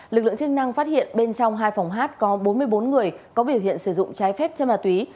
lực lượng chức năng phát hiện bên trong hai phòng hát có bốn mươi bốn người có biểu hiện sử dụng trái phép chân ma túy